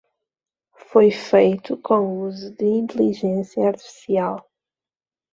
Foi feito com uso de inteligência artificial